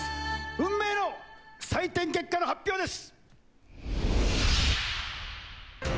運命の採点結果の発表です！